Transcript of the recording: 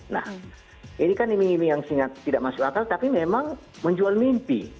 nah ini kan iming iming yang tidak masuk akal tapi memang menjual mimpi